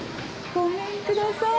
ごめんください。